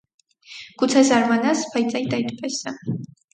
Գուցե զարմանաս, բայց այդ այդպես է.